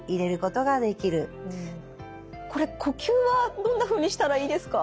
これ呼吸はどんなふうにしたらいいですか？